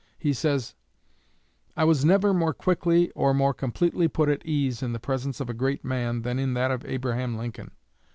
He says: "I was never more quickly or more completely put at ease in the presence of a great man than in that of Abraham Lincoln.